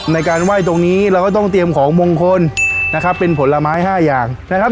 ในการไหว้ตรงนี้เราก็ต้องเตรียมของมงคลนะครับเป็นผลไม้๕อย่างนะครับ